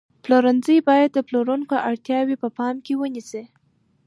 پلورنځی باید د پیرودونکو اړتیاوې په پام کې ونیسي.